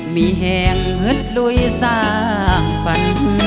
มีแห่งฮึดลุยสร้างฝัน